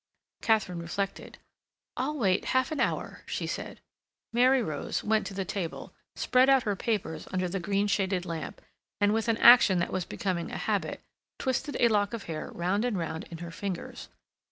Katharine reflected. "I'll wait half an hour," she said. Mary rose, went to the table, spread out her papers under the green shaded lamp and, with an action that was becoming a habit, twisted a lock of hair round and round in her fingers.